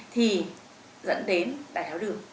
thì dẫn đến đáy áo đường